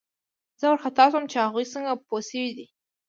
زه وارخطا شوم چې هغوی څنګه پوه شوي دي